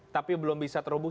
tapi belum bisa terhubung